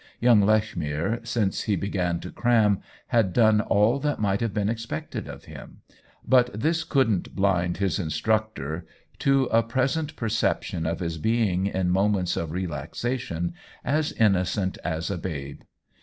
Young Lechmere, since he began to cram, had done all that might have been expected of him ; but this couldn't blind his instructor to a present perception of his being in moments of re laxation as innocent as a babe.